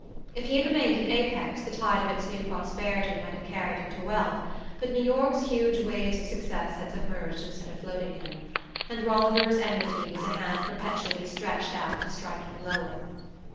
If he had remained in Apex the tide of its new prosperity might have carried him to wealth; but New York's huge waves of success had submerged instead of floating him, and Rolliver's enmity was a hand perpetually stretched out to strike him lower.